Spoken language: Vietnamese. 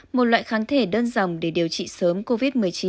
một loại kháng thể đơn dòng để điều trị sớm covid một mươi chín